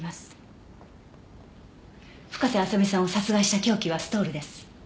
深瀬麻未さんを殺害した凶器はストールです。